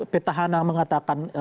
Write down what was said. pt hana mengatakan